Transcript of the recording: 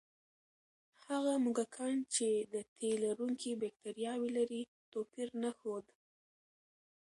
هغه موږکان چې د تیلرونکي بکتریاوې لري، توپیر نه ښود.